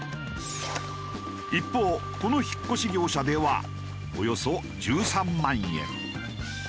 一方この引っ越し業者ではおよそ１３万円。